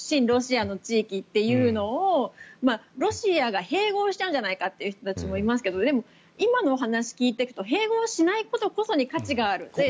ロシアの地域というのをロシアが併合しちゃうんじゃないかって人たちもいますけどでも、今のお話を聞いていくと併合しないことこそ価値がある。